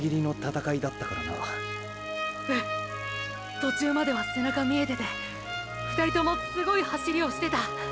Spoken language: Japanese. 途中までは背中見えてて２人ともすごい走りをしてた。